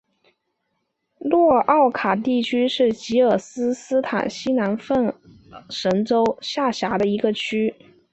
诺奥卡特区是吉尔吉斯斯坦西南州份奥什州下辖的一个区。